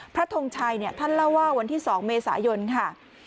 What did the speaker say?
ทงชัยท่านเล่าว่าวันที่๒เมษายนค่ะ